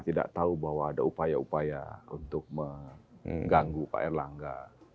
tidak tahu bahwa ada upaya upaya untuk mengganggu pak erlangga